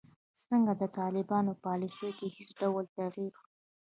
ځکه د طالبانو په پالیسیو کې هیڅ ډول تغیر